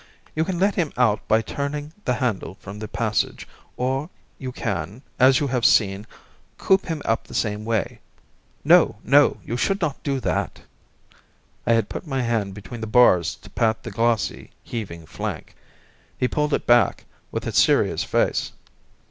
You can let him out by turning the handle from the passage, or you can, as you have seen, coop him up in the same way. No, no, you should not do that!" I had put my hand between the bars to pat the glossy, heaving flank. He pulled it back, with a serious face.